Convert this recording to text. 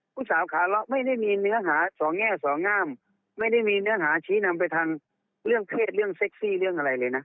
ผู้สาวขาเลาะไม่ได้มีเนื้อหาสองแง่สองงามไม่ได้มีเนื้อหาชี้นำไปทางเรื่องเพศเรื่องเซ็กซี่เรื่องอะไรเลยนะ